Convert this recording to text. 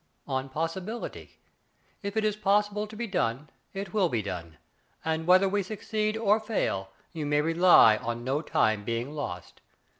'*" On possibility. If it is possible to be done it will be done ; and whether we succeed or fail, you may rely on no time being lost.